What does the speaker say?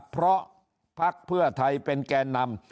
เพราะพักเพื่อไทยเป็นแก่นำ